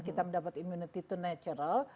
kita mendapatkan immunity itu natural